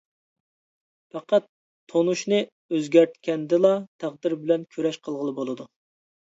پەقەت تونۇشنى ئۆزگەرتكەندىلا تەقدىر بىلەن كۈرەش قىلغىلى بولىدۇ.